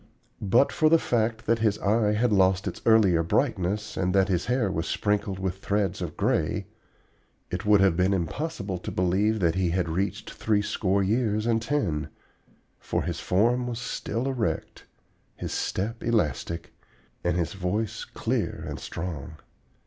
But for the fact that his eye had lost its earlier brightness and that his hair was sprinkled with threads of gray, it would have been impossible to believe that he had reached three score years and ten, for his form was still erect, his step elastic, and his voice clear and strong.